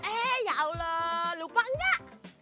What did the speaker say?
eh ya allah lupa enggak